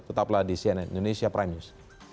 tetaplah di cnn indonesia prime news